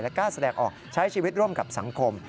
กล้าแสดงออกใช้ชีวิตร่วมกับสังคม